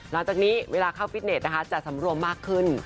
ราวจากนี้เวลาเข้าฟิตเนตจะจำรวมมากขึ้น